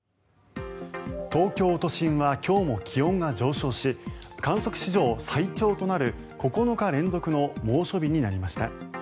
東京都心は今日も気温が上昇し観測史上最長となる９日連続の猛暑日になりました。